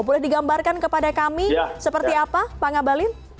boleh digambarkan kepada kami seperti apa pak ngabalin